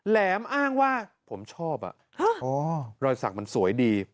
แหลมอ้างว่าผมชอบอ่ะฮะอ๋อรอยสักมันสวยดี